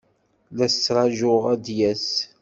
La t-ttṛajuɣ ad d-yas.